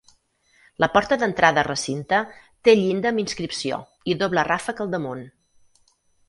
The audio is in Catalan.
La porta d'entrada a recinte té llinda amb inscripció i doble ràfec al damunt.